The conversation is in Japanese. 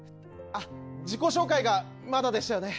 自己紹介がまだでしたよね。